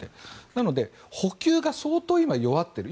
なので、補給が相当、今弱っている。